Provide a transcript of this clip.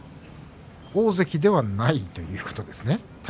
大関ではないということですね。